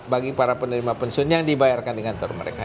bagi para penerima pensiun yang dibayarkan di kantor mereka